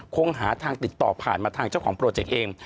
คงหาทางติดต่อผ่านมาทางเจ้าของโปรเจกต์เอง